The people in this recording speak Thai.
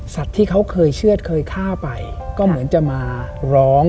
ที่เขาเคยเชื่อดเคยฆ่าไปก็เหมือนจะมาร้อง